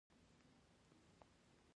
دا د شیانو له منځه تلو څخه عبارت دی.